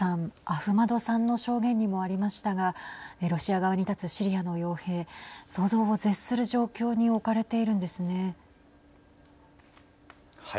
アフマドさんの証言にもありましたがロシア側に立つシリアのよう兵想像を絶する状況に置かれているんですね。